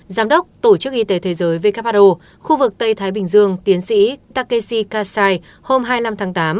giám đốc tổ chức y tế thế giới who khu vực tây thái bình dương tiến sĩ takeshi kasai hôm hai mươi năm tháng tám